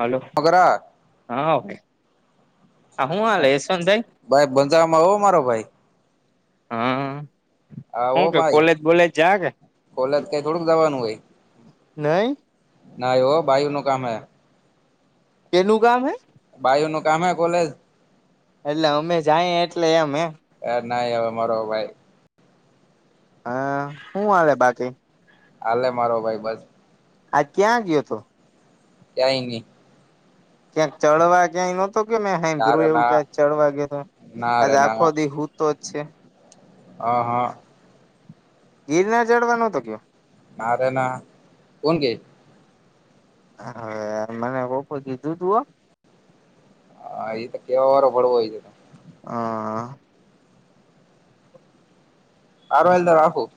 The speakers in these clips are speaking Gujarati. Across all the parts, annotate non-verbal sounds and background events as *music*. હલો મગરા હા ભાઈ આ હું હાલે યશવંતભાઈ ભાઈ બંજારમાં હો મારો ભાઈ હા. હા હો હું કે ભાઈ કોલેજ બોલેજ જા કે કોલેજ કે થોડુંક જવાનું હોય. નહી. નાહી હો ભાઈ નું કામ હૈ કેલું કામ હૈ બાાયઓ નું કામ હૈ કોલેજ એટલે અમે જાય એટલે એમ એમ એ ના હવે મારો ભાઈ હા શું હાલે બાકી હાલે મારો ભાઈ બસ આ ક્યાં ગયો હતો. ક્યા નઈ ક્યાંક ચળવા ક્યાંય નો કે મેં હે ના પ્રભુ રે એવું ના કે ચડવા ગયો તો ના રે આજે આખો દી હું તો જ છે. હ હા. ગિરનાર ચડવા નતો ગયો. નારે ના કોણ કે છે. હવે મને બપોર કીધું તું હો હા એ તો કેવા વારો ભડવો જોઈએ. હા. હારુ હાલ તો રાખું.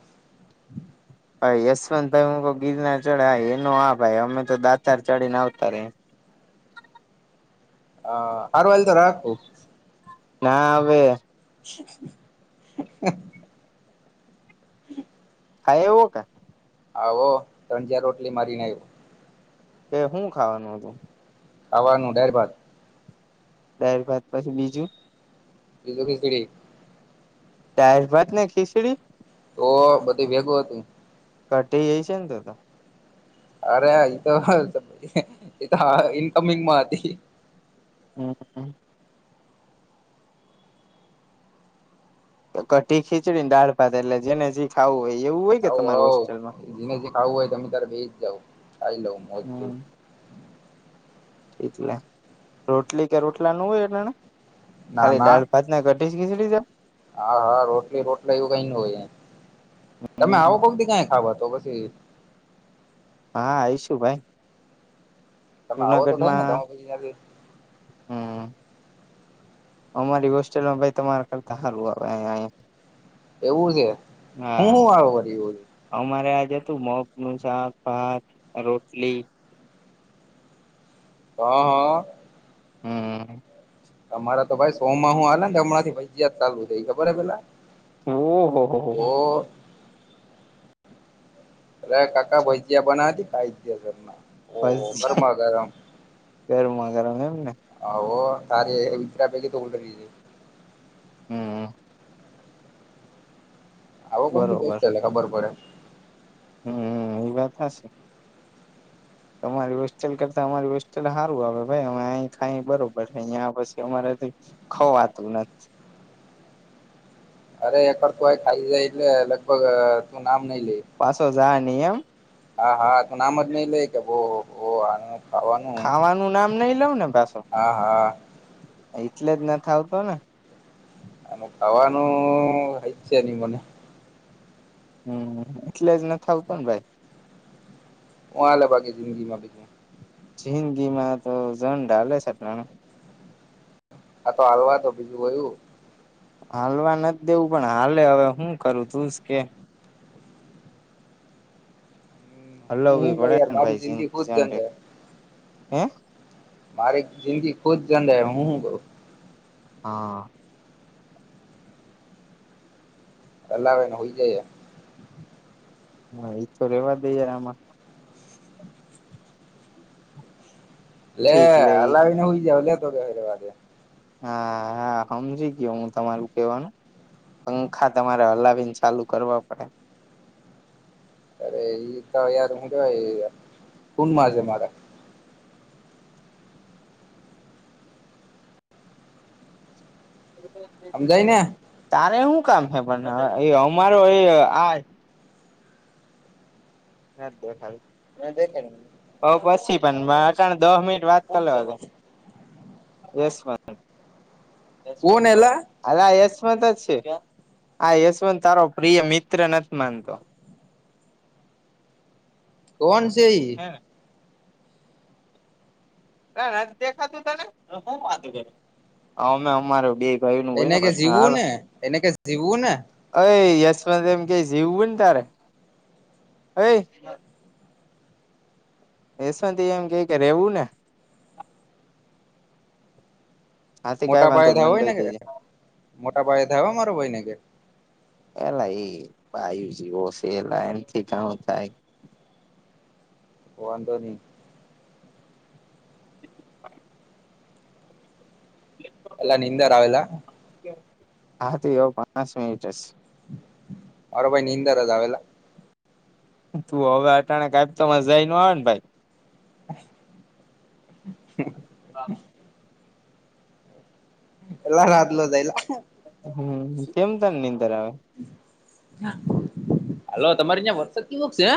હા યશવંત ભાઈ હું ગીરના ચડે હ એનો આ ભાઈ અમે તો દાતાર ચડીને આવતા રયા હા હારુ હાલ તો રાખું. ના હવે *inaudible* *inaudible* ખાય એવું કે આવો તણજીયા રોટલી મારીને આવ્યો તે હું ખાવાનું હતું. આવવાનું ડર ભદ દાર ભાત પછી બીજું બીજું કઈ પડી દાળ ભાતને ખીચડી તો બધું ભેગું હતું. કટી છે ને તો અરે એ તો હોયે એતો ઇનકમિંગ માં હતી હમ્મ કટી ખીચડીને દાળ ભાત એટલે જેને જે ખાવું હોય એવું હોય કે તમારા હોસ્ટેલમાં જીને જે ખાવુ હોય તમે તારે બેહી જાઓ ખાઈ લએ હમ્મ એટલે રોટલી કે રોટલા નો હોય *unintelligible* ના ખાલી ના દાળ ભાત ને કડી ખીચડી છેં હા હા રોટલી રોટલી એવું કઈ ન હોય તમે આવો હમ કોઈક દી ખાવા તો પછી હા આવીશું ભાઈ તમે આવો તો થાય ને તમે જુનાગઢમાં પછી હમ્મ અમારી હોસ્ટેલમાં ભાઈ તમારા કરતા હારું આવે એવું છે હું હા હું આવો વરી એવું અમારે આજ હતું મોગ નું શાકભાત રોટલી અ અ હમ્મ તમારા તો ભાઈ સો માં હું આલે ને હમણાંથી ફજયાત ચાલુ થઈ ખબર હ પેલા ઓહ હો તો હો અ કાકા ભજીયા બનાવતી ખાઈ જાયે ભજીયા ગરમા ગરમ એમ ને આવો તારી *unintelligible* હમ્મ આવો કોક દિવસ ખબર પડે હમ્મ એ વાત હસી તમારી હોસ્ટેલ કરતા અમારી હોસ્ટેલ હારું આવે ભાઈ અમે અહી ખાઈ બરોબર છે અયા પછી અમારે ખવાતું નથ અરે એક વાર તુંય ખાઈ જાય એટલે લગભગ તું નામ નઈ લે પાસોઝા ની એમ હા હા તું નામ જ નહી લઈ કેહહ ખાવાનું નામ નઈ લઉ ને પાસો હા હા એટલે જ ન થ આવતો ને ખવાનું હાઈ છેની મને હમ્મ એટલે જ ન થ આવતો ને ભાઈ હુ હાલે બાકી જિંદગીમાં બીજું જિંદગી માં તો જગ હાલે છેં ભાઈ હાલવા તો બીજું કયું હાલવા નથી દેવું પણ હાલે હવે હું કરું તું જકે હું હું હલોવી કઉ પડે યાર ને મારી ભાઈ ખુદ જંગ જિંદગી હે હ મારી જિંદગી ખુદ જંળ હે હું હુ કરું હા હલાવી ને હુઈ જાયે હા એ તો રેવા દય એમાં લ ઠીક લે હલાવીને હોઈ જાય *unintelligible* હા હા સમમજી કયો હું તમારું કવાનું પંખા તમારે હલાવીને ચાલુ કરવા પડે અરે એ તો યાર મ ભાઈ કોન મા છેે મારા હમજાય ને તારે શું કામ છેે પણ અમારો એ આ હા દેખાય દેખ પછી પણ અટણ દો મિનિટ વાત કર હતો સસ હ કોણ એલા આ યશવંત જ છે આ યશવંત તારો પ્રિય મિત્ર નથી માનતો કોણ છે હે ને દેખાતું તને વાું અમે અમાર બે ભાઈ નું હોય એને ને કે પ્રશ્ન હાલ જીવું ને એને કે જીવું ને અ યશમાંંત એમ કે જીવું ને તારે અ એશંતથી એમ કે કે રેવું ને હાથી કઈ મોટા વાંધો બાાયે મને ધાવઈ દઈ દેજે ન મોટા બાએ ધવા માર ભય ન કે પેલા એ બયુ જેવો છે એલા એમથી ઘણ થાય હો વાંધો નહી એ અલા નિંદે રારાાવેલા હા તો એવું પાંચ મિનિટ જ અરા ભાઈ નિંદર આવેેલા તું હવે અટાણે કા તો મજા ન આવે ને ભાઈ *inaudible* એલા રાતલો જઈલા હમ કેમ તને નીંદર આવે હાલ તમારી ત્યાં વરસાદ કેવખ છે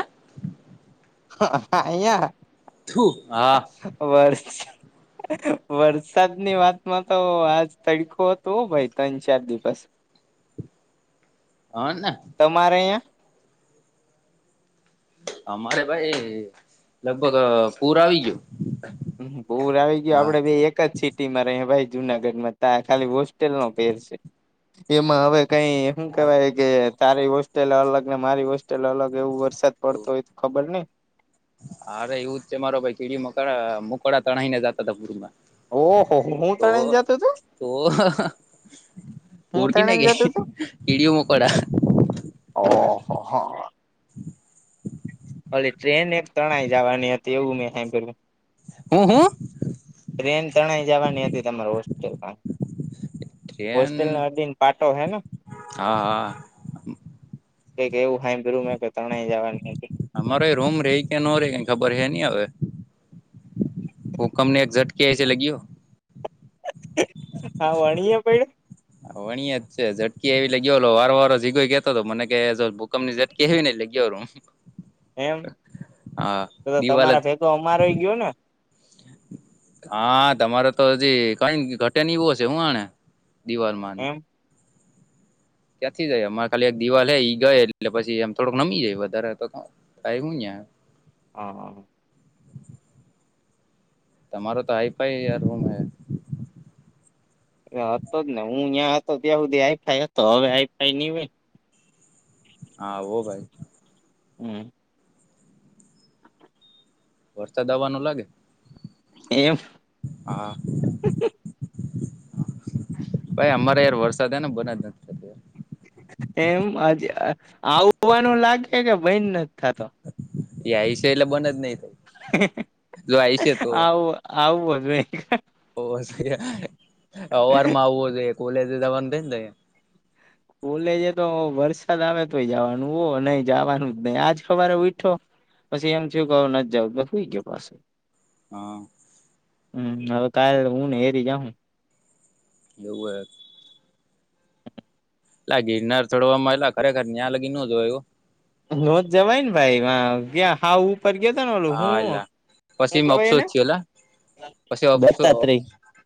અયા ું હા બર વરસાદની વાતમાં તો આજ તડખું હતું ભાઈ ત્રણ ચાર દિવસ *inaudible* હ ના તમારે અ્યાં અમારે ભાઈ લગભગ પૂર આવી ગયયો બહુ આવી ગયો આપડે બે એક જ સીટ ભાઈ જુનાગઢમાં ત ખાલી હોસ્ટેલ નો પેર છે એમાં હવે કઈ શું કેવાય કે તારી હોસ્ટેલ અલગ ને મારી હોસ્ટેલ અલગ એવું વરસાદ પડતો હોય ખબર નઈ અરે એવું જ છે મારો કેીડી મકડા મોકડા તણાઈને જતા હતાા પુરમાં ઓહો હું તો તણાઈને જતું તું તો હું પરકી ના તણાઈને કેે જતું તું કડીઓ મકોડા ઓહહહા ભલે ટ્રેન એક ત્રણય જવાની હતી એવું મેં સાર હમ હા ટ્રેન તણાઈ જવાની હતી તમાર હોસ્ટેલ પણ હોસ્ટેલ ન ટ્રેન દન પાટો હે હા હા કક એવું હાઈું મે ત્રણેય જવાનું અમાર એ રૂમ રેઈ કે નો રે ખબર હે ન હવે ભૂકં ને એક્ઝટ કેસસે લગી્યો હા વણીએ ભ ભણીય જ છે ઝટકી એવી લાગ ગયોલો વાર વારરો જીગોઈ કેતો હતો મને કે જો ભૂકપ ઝટકી એવી નઈ લગયોલ હું *inaudible* એમ તો જ તમારા ભેગો અમારોય ગયો ને હા તમારે તો હજી કઈ ઘટે નીવો હ છે હું આને દિવાલમાંને એમ ક્યાંથી જાય અમારે ખાલી એક દિવાલ લે ઈ ગય એટલે પછી આમ થોડુંક નમી જાય વધારે તો આવું હા હ તમારો તો આઈફાઈયાર રૂમ હ એ હતો જ ને હું ત્યાં હતો ત્યાં સુધી આઈ ફાઈ હતો હવે આઈ ફાઈ ની હોય હાવો ભાઈ હમ વરસાદ આપવાનું લાગે એમ હા ભાઈ અમારે યાર વરસાદ ને બના જ નથી *inaudible* એમ હજ આવવાનું લાગે કે બઈન નથી થતો એ હિશ એલે બન જ નહી થ આવું આવું હજુ ન ઓ અવાર માં આવો જોઈએ કોલેજ જવાનું થઈને જ કોલેજ તો વરસાદ આવે તોય જવાનું હો નહી જવાનું જ નહી આજ ખબર ઉઠો પછી એમ થયું કે આવ ન જ જાવઈ ગયો પાસે હા હમ હવે કાલે હું ને એરી જાઉં એવું એ લાગી નાર થોડમાં એલા ખરેખર ન્યાં લાગી ન હતયું નોંધ જવાય ને ભાઈ ક્યાં હઉું ફર ગ ત વાલું હા હું એલા હું પછી મે અફસોસ કેવાયને થયો એલા પછી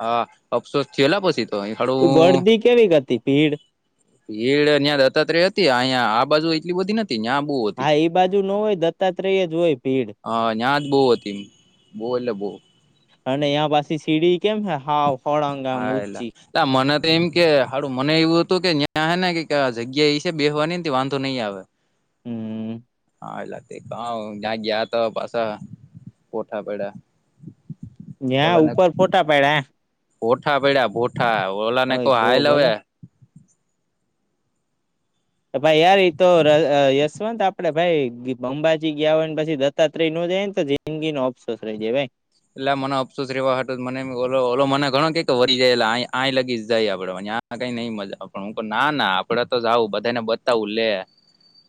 હા અફસોસ થયેલા પછી તો અ ખડું ગળદી કેવી હતી ભીડ ભીડ અં દત્તાત્રય હતી અહીયા આ બાજુ એટલી બધી નથી ત્યાં બુ હતી. હા એ બાજુ ન હોય દત્તાત્રેય જ હોય ભીડ હ ત્યા જ બહુ હતી એ બહ એટલે બહુ અને તયાં પાછી સીડી કેમ હે હાવ. હળંગ આમ હા એલા ઊંચી તા મને તો એમ કેડું મને એવું હતું કે ન્યાં હ ને કે જગ્યા એ છે બેહવાની વાંધો નહીં આવે હમ હલા ગયાતોપસા પોઠા પેડા નયા ઉપર ફોટા પડડ્યા ભઠા પૈડ્યા ભઠા ઓલા ને હોય કોઈ તો હાઈ ભલે લવે ભાઈ યાર તો યશવંત આપડે ભાઈ અંબાજી ગયા હોય ને પછી દત્તાત્રેય નો જાય ને તો તંગિ ન ઓઑ્સસ દવે એટલે મને અફસોસ રહેવા હતો મને ઓલો ઓલો મને ઘણો કે કે વરી જાય એટલે આઈ લગી જાય આપડે ના કઈ નઈ મજા પણ હું ના આપડે તો જઉં બધા ને બતાવું લે *inaudible*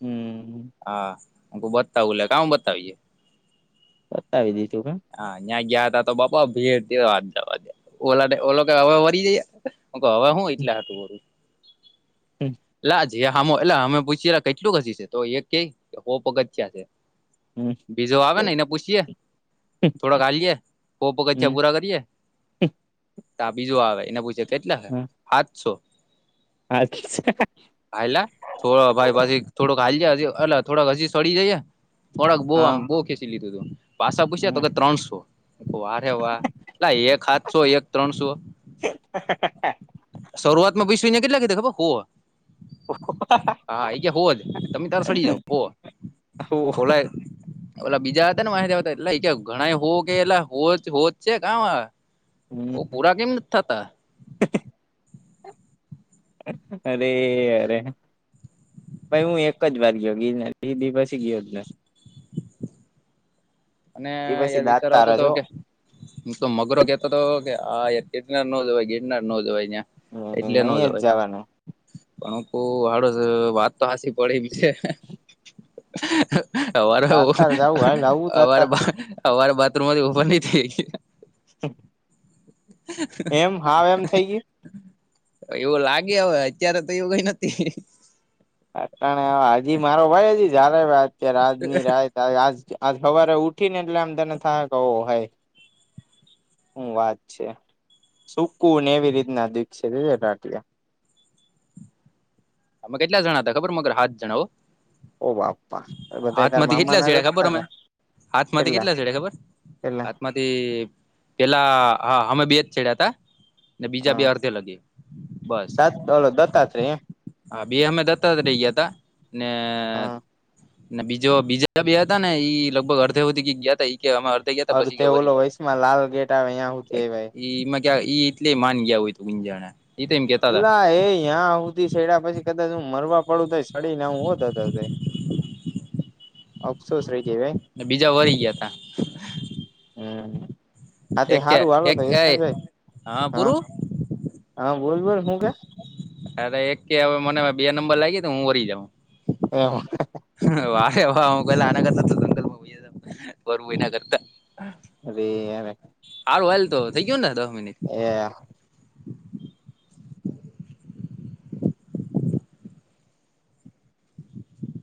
હમ હા અમક બતાવું લ કામ બતાવીએ બતાવી દીધું હ હા ત્યાં ગયા હતા તો બાપા ભીડ ત હા જવા દયા ઓલા ઓ હવે વરી જયા હવે હું એટલે હતું બોરું હમ લજ જે હામો એટલે અમે પૂછીએેલા કેટલું ઘસી છે તો એ ક પગથિયા છે હમ બીજો આવે ને એને પૂછીએ થોડોક હાએ પોપ કચચા હમ પૂરા કરીએ તો બીજું આવે એને પૂછે. કેટલા છે હાથસો અચ્છા હાલા થોડો ભાઈ પછી થોડોક હાઈ જ હ અલા થોડક હજી સડી જઈએ. થોળક બહુ આમ બહુ ખેંચ લીધું તું પૂછ તો કે ત્રણસો વારેે વા એટ એક સાાથસો એક ત્રણસો હ શરૂઆત માં બસવીને કેટલા કીધા ખબર હો હા એ કે હોવ જ તમે તાર સડી જાવ હો હોવ હ ઓલા ઓલા બીજા હતા વાએવા હતા એટલે કે ઘણા હો કે એટલા હો હોજ છે કામાં પૂરા કેમ નથી થતા હ અરેે અરે ભાઇ હું એક જ વાર ગયો ગીરનાર‌ ઈ દિ પછી ગયોજ નથી. અને એ પછી યાર વિચાર દાતાર આવતો જ તો હો કે. હું તો મગરો કેતો હતો કે આય ગીરનાર નો જવાય ગીરનાર નો જવાય હિયા. એટલે ન નહી જ જવાય જવાનું બાપુ પણ હ હડ વાત તો સાચી. પ છે અરો દાતાર જવું હાલ *unintelligible* આવું અવાર દાતાર અવાર બાથરૂમ મ ઓપન નથી એમ હાવ એમ થઈ ગયું. એવું લાગે હવે અત્યારે તો એવું કઈ નથી. આટણે હજી મારો ભાઈ હજી જલે ભત છે રાતની રાત ત આ આ સવારે ઉઠી ને એટલે આમ તને થાય ક હ હું વાત છે સુકું ને એવી રીતના દીખ છેટ આમે કેટલા જણા હતા ખબર મગર સાત જણા હો. ઓ બાપા બધાએ તાર મામા ના જતા કા હાથમાંથી કેટલા છેડે ખબર? કેટલા હાથમાંથી તે પેલા હ અમે બે જ છેડ્યા તા ને બીજા બે અડધે લગી. બસ દોલો દત્તાત્રે એ. હા બે અમે દત્તાત્રે ગ્યાતા ને. હા ને બીજો બીજા બે હતા ને ઈ લગભગ અડધે હુદી ગી ગીયા તા ઈ કે હમ અડધે ગ્યા તા બસી ઓલો વરી ગ્યાતા. વયસમાં લાલ ગેટ આવે ત્યાં હુધી આયવા ઈ ઈમાં કયા ઈ એટલે માન ગયા હોય તું વી જાણા એ લા એ યાં હૂતી સેડા પસી કદાચ હું મરવા પડું તઈશ પડી ને હાવુ હો દતાત્રે. અફસોસ રહી જઈ વે ને બીજા વરી ગયા તા હું. આતે એક કે હારું આલો એક તો એ સંજય હા ભાઈ પૂરું બોલ બોલ હું કે? અરે એક કે હવે મને બે નંબર લાયગી તો હું વરી જાઉ. એવું હ વારે વા હું પેલા આના કરતા તો જંગલ માં વયે જાઉં વરવું એના કરતા. અરે યારા હારું હાલ તો થઇ ગ્યો ને દહ મિનિટ? એ